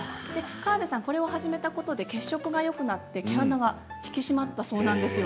川邉さんはこれを始めたことで血色がよくなって毛穴が引き締まったそうなんですよ。